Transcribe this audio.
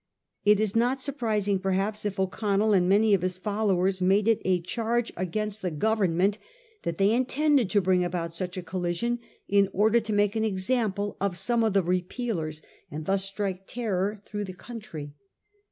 It is not surprising, perhaps, if O'Connell and many of his followers made it a charge against the 1843. TIIE CLONTARF MEETING. 293 Government that they intended to bring about such a collision in order to make an example of some of the Repealers and thus strike terror through the country.